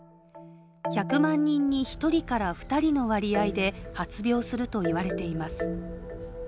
１００万人に１人から２人の割合で発病するといわれています。